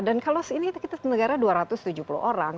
kalau ini kita negara dua ratus tujuh puluh orang